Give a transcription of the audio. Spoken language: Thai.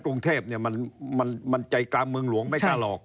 กรุงเทพมันใจกลามเมืองหลวงไม่กลารอก